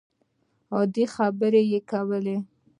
عادي خبرې کول